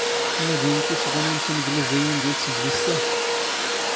ⵎⴰ ⴷⵉⵏⵏ ⵜⵉⵙⵖⵓⵏⵉⵏ ⵜⵉⵏⴳⵍⵉⵣⵉⵢⵉⵏ ⴷⵉ ⵜⵙⴷⵍⵉⵙⵜ ⴰ?